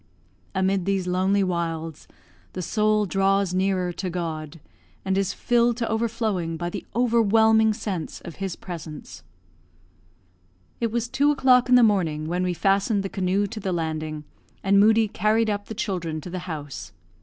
Amid these lonely wilds the soul draws nearer to God, and is filled to overflowing by the overwhelming sense of His presence. It was two o'clock in the morning when we fastened the canoe to the landing, and Moodie carried up the children to the house.